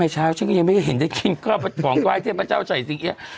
ฉันยังไม่เห็นได้กินข้อเว้ยเทพเจ้าศัยศิงเยียว